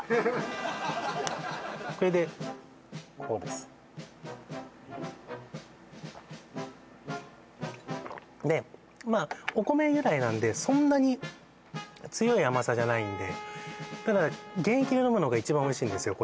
これでこうですでまあお米由来なんでそんなに強い甘さじゃないんでただ原液で飲むのが一番おいしいんですよ